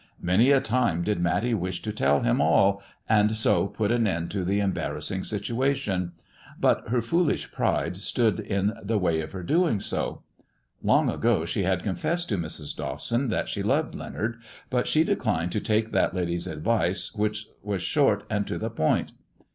Many a time did Matty wish to tell him all, and so put an end to the embarrassing situation, but her foolish pride stood in the way of her doing so. Long ago she had con fessed to ]VIrs. Dawson that she loved Leonard, but she declined to take that lady's advice, which was short and to the point.